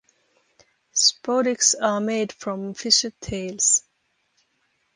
Spodiks are made from fisher tails.